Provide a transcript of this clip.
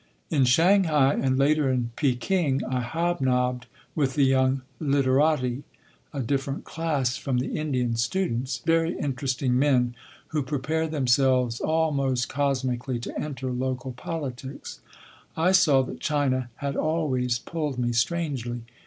In Shanghai, and later in Peking, I hobnobbed with the young _literati_—a different class from the Indian students, very interesting men who prepare themselves almost cosmically to enter local politics. I saw that China had always pulled me strangely.